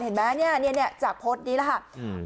เห็นไหมเนี้ยเนี้ยจากโพสต์นี้แหละฮะอืม